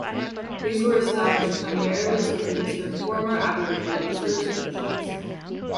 These were established primarily to administer former Aboriginal reserves and missions.